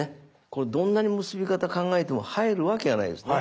これどんなに結び方考えても入るわけがないですよね？